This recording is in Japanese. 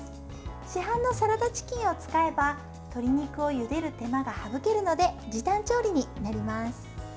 市販のサラダチキンを使えば鶏肉をゆでる手間が省けるので時短調理になります。